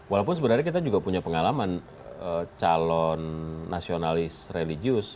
walaupun sebenarnya kita juga punya pengalaman calon nasionalis religius